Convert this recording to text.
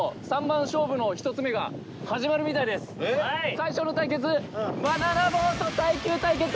最初の対決。